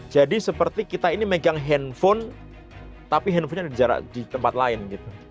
jadi seperti kita ini megang handphone tapi handphonenya ada jarak di tempat lain gitu